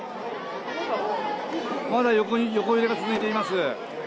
まだ横揺れが続いています。